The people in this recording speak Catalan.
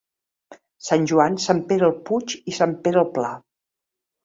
Sant Joan, Sant Pere el Puig i Sant Pere el Pla.